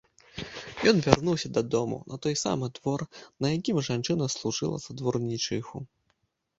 Ён вярнуўся дадому, на той самы двор, на якім жанчына служыла за дворнічыху.